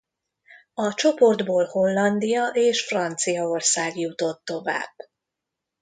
A csoportból Hollandia és Franciaország jutott tovább.